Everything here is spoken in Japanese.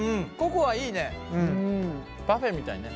パフェみたいね。